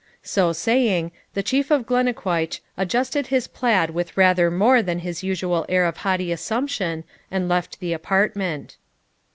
So saying, the Chief of Glennaquoich adjusted his plaid with rather more than his usual air of haughty assumption and left the apartment.